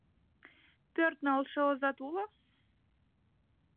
Пӧрт налше озат уло.